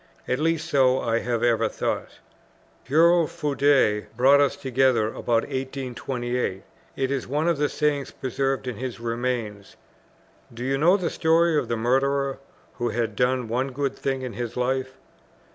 At least so I have ever thought. Hurrell Froude brought us together about 1828: it is one of the sayings preserved in his "Remains," "Do you know the story of the murderer who had done one good thing in his life?